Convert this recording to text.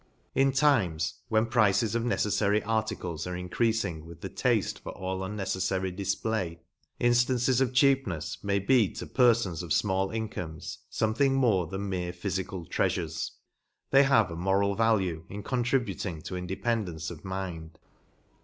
In times, when the prices of neceflary articles are increafmg with the tafte for all unneceflary difplay, inftances of cheapnefs may be to perfons of fmall incomes fomething more than mere phyfical treafures ; they have a moral value in contributing to independence of mind.